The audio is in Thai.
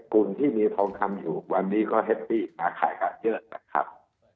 กลุ่มที่มีทองคำอยู่วันนี้ก็แฮปปี้มาขายกันเยอะนะครับ